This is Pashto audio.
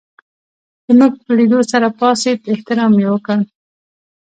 زموږ په لېدو سره پاڅېد احترام یې وکړ.